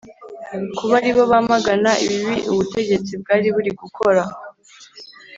kuba aribo bamagana ibibi ubutegetsi bwari buri gukora